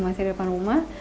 masih di depan rumah